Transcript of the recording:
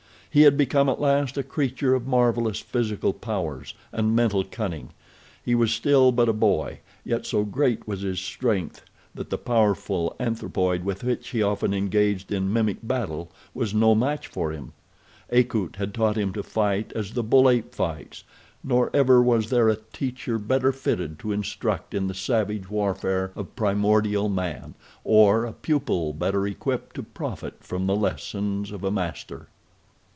He had become at last a creature of marvelous physical powers and mental cunning. He was still but a boy, yet so great was his strength that the powerful anthropoid with which he often engaged in mimic battle was no match for him. Akut had taught him to fight as the bull ape fights, nor ever was there a teacher better fitted to instruct in the savage warfare of primordial man, or a pupil better equipped to profit by the lessons of a master.